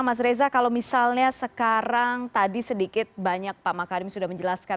mas reza kalau misalnya sekarang tadi sedikit banyak pak makarim sudah menjelaskan